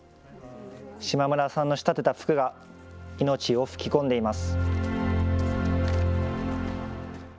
島邑さんの仕立てた服が命を吹き込んでいます。